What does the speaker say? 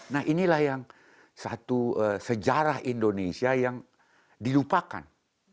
nah inilah yang satu sejarah indonesia yang dilupakan